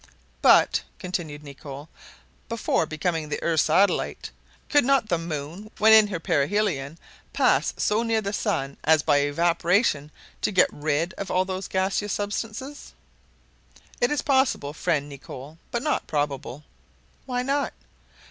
"But," continued Nicholl, "Before becoming the earth's satellite, could not the moon, when in her perihelion, pass so near the sun as by evaporation to get rid of all those gaseous substances?" "It is possible, friend Nicholl, but not probable." "Why not?"